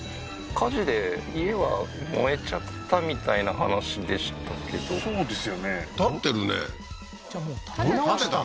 火事で家は燃えちゃったみたいな話でしたけどそうですよね建ってるねじゃあもう建て直した？